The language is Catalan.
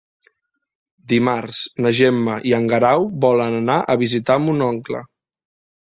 Dimarts na Gemma i en Guerau volen anar a visitar mon oncle.